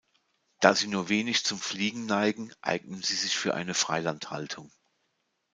Da sie nur wenig zum Fliegen neigen, eignen sie sich für eine Freilandhaltung.